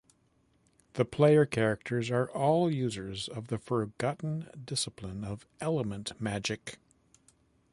The player characters are all users of the forgotten discipline of Element Magic.